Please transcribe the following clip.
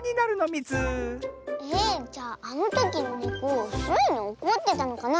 えじゃああのときのネコスイにおこってたのかな？